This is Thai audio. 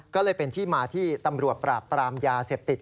ก็เลยเป็นที่มาที่ตำรวจปราบปรามยาเสพติด